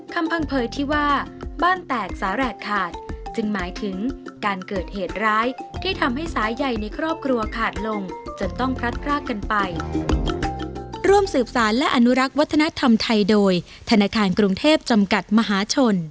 คำพังเผยว่าบ้านแตกสาแหลกขาดจึงหมายถึงการเกิดเหตุร้ายที่ทำให้สายใยในครอบครัวขาดลงจนต้องพรัดพรากกันไป